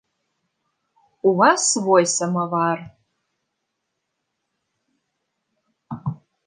У вас свой самавар.